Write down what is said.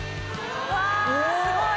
うわすごい！